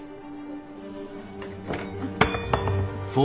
あっ。